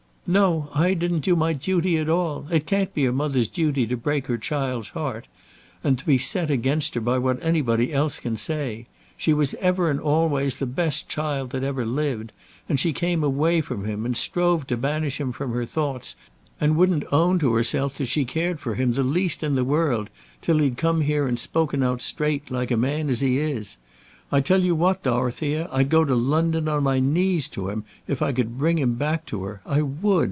"No; I didn't do my duty at all. It can't be a mother's duty to break her child's heart and to be set against her by what anybody else can say. She was ever and always the best child that ever lived; and she came away from him, and strove to banish him from her thoughts, and wouldn't own to herself that she cared for him the least in the world, till he'd come here and spoken out straight, like a man as he is. I tell you what, Dorothea, I'd go to London, on my knees to him, if I could bring him back to her! I would.